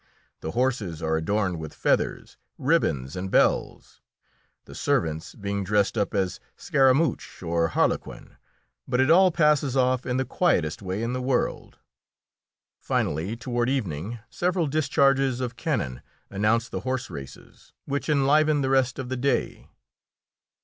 The horses are adorned with feathers, ribbons, and bells, the servants being dressed up as Scaramouche or Harlequin, but it all passes off in the quietest way in the world. Finally, toward evening, several discharges of cannon announce the horse races, which enliven the rest of the day.